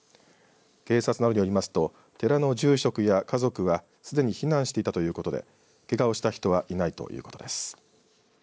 警察などによりますと寺の住職や家族はすでに避難していたということでけがをした人はいないということです。